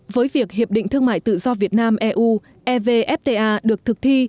với việc hiệp định thương mại tự do việt nam eu evfta được thực thi